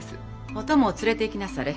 お供を連れていきなされ。